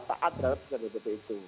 taat dan seperti itu